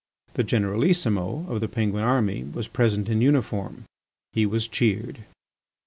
The Generalissimo of the Penguin army was present in uniform. He was cheered.